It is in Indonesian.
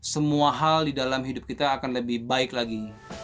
semua hal di dalam hidup kita akan lebih baik lagi